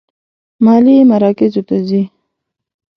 مالي مراکزو ته ځي.